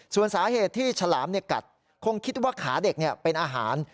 ส่วนสาเหตุที่ฉลามกัดคงคิดว่าขาเด็กเป็นอาหาร